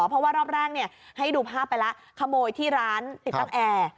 เพราะว่ารอบแรกให้ดูภาพไปแล้วขโมยที่ร้านติดตั้งแอร์